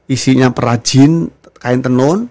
isinya perajin kain tenun